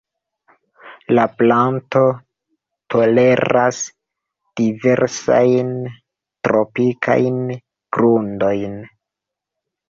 La planto toleras diversajn tropikajn grundojn.